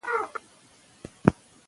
چاپیریال د اقتصادي پرمختګ لپاره هم مهم دی.